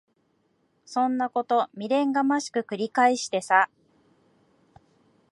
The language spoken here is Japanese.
そんなこと未練がましく繰り返してさ。